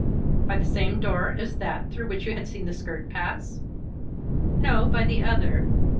"By the same door as that through which you had seen the skirt pass?" "No, by the other.